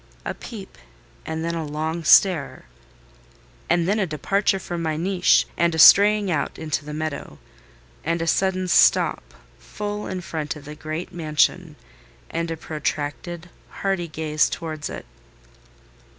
A peep, and then a long stare; and then a departure from my niche and a straying out into the meadow; and a sudden stop full in front of the great mansion, and a protracted, hardy gaze towards it.